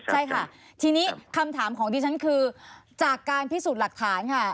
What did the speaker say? ใช่ค่ะทีนี้คำถามของดิฉันคือจากการพิสูจน์หลักฐานค่ะ